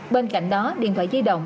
bên cạnh đó điện thoại di động